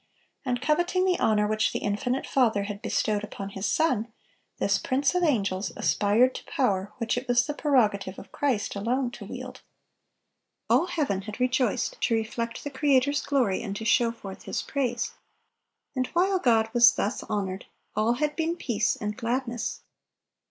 And coveting the honor which the infinite Father had bestowed upon His Son, this prince of angels aspired to power which it was the prerogative of Christ alone to wield. All heaven had rejoiced to reflect the Creator's glory and to show forth His praise. And while God was thus honored, all had been peace and gladness.